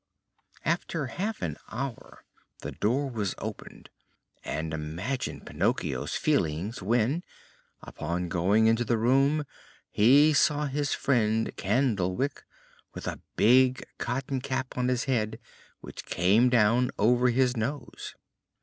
After half an hour the door was opened and imagine Pinocchio's feelings when, upon going into the room, he saw his friend Candlewick with a big cotton cap on his head which came down over his nose.